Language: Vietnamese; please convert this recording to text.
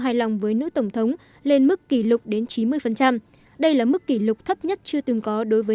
hài lòng với nữ tổng thống lên mức kỷ lục đến chín mươi đây là mức kỷ lục thấp nhất chưa từng có đối với